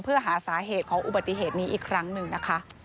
เพื่อหาสาเหตุของอุบัติเหตุนี้อีกครั้งหนึ่งนะคะ